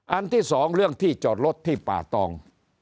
ที่สองเรื่องที่จอดรถที่ป่าตอง